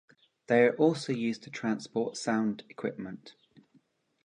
They are also used to transport sound equipment.